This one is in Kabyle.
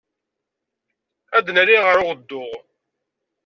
Ad nali ɣer uɣeddu.